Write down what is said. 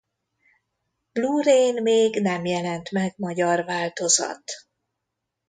Blu-Ray-en még nem jelent meg magyar változat.